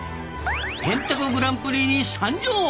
「へんてこ★グランプリ」に参上！